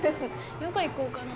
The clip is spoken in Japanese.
ヨガ行こうかな。